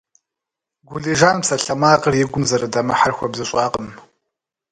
Гулижан псалъэмакъыр и гум зэрыдэмыхьэр хуэбзыщӀакъым.